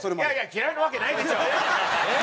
嫌いなわけないでしょ！